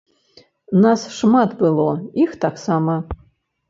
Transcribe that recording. Нас шмат было, іх таксама.